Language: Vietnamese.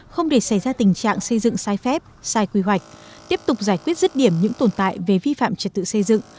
không để xảy ra tình trạng xây dựng sai phép sai quy hoạch tiếp tục giải quyết rứt điểm những tồn tại về vi phạm trật tự xây dựng